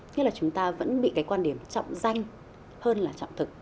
thế là chúng ta vẫn bị cái quan điểm trọng danh hơn là trọng thực